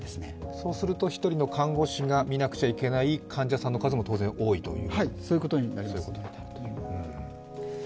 そうすると一人の看護師が診なくちゃいけない患者さんの数も当然、多いということになると。